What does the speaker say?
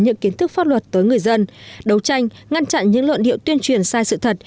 những kiến thức pháp luật tới người dân đấu tranh ngăn chặn những luận điệu tuyên truyền sai sự thật